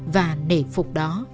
và nể phục đó